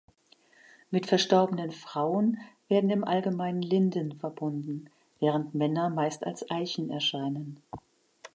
Mit verstorbenen Frauen werden im Allgemeinen Linden verbunden, während Männer meist als Eichen erscheinen.